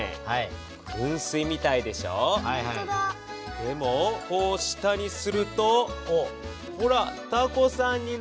でもこう下にするとほらタコさんになるんです。